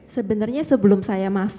sebenarnya sebelum saya